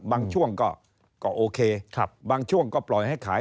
บางช่วงก็โอเคบางช่วงก็ปล่อยให้ขาย